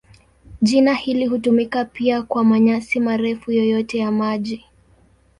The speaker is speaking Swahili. Jina hili hutumika pia kwa manyasi marefu yoyote ya maji.